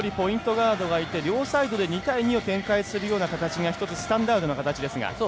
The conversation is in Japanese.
ガードがいて両サイドで２対２を展開するような形が１つスタンダードな形ですが。